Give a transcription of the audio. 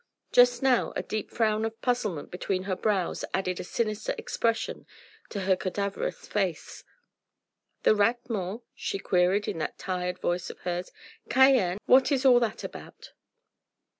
Just now a deep frown of puzzlement between her brows added a sinister expression to her cadaverous face: "The Rat Mort?" she queried in that tired voice of hers, "Cayenne? What is all that about?"